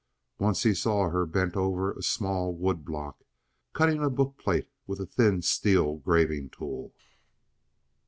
Once he saw her bent over a small wood block, cutting a book plate with a thin steel graving tool.